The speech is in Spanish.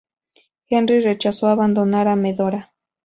Henry rechazó abandonar a Medora.